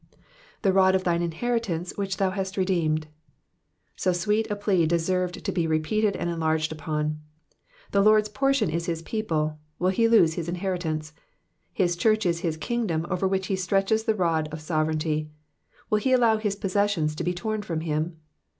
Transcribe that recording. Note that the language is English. '*77t« rod of thine inheritnnc£^ which thou hast redeemed.^'' So sweet a ])lea deserved to be repeated and enlarged upon. The Lord's portion is his people — will he lose his inheritance ? His church is his kingdom, over which he stretches the rod of sovereignty ; will he allow his possessions to be torn from him